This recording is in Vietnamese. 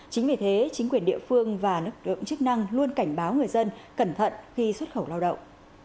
chính vì thế chính quyền địa phương và lực lượng chức năng luôn cảnh báo người dân cẩn thận khi xuất khẩu lao động